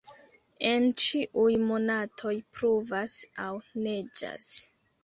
En ĉiuj monatoj pluvas aŭ neĝas.